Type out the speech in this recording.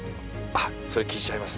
あっそれ聞いちゃいます？